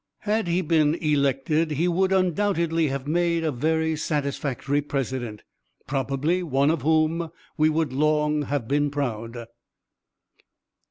Had he been elected he would, undoubtedly, have made a very satisfactory president, probably one of whom we would long have been proud.